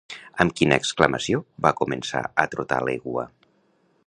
Amb quina exclamació va començar a trotar l'egua?